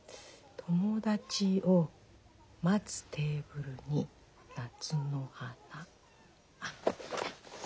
「友達を待つテーブルに夏の花」。